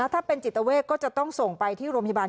ถ้าเป็นจิตเวทก็จะต้องส่งไปที่โรงพยาบาล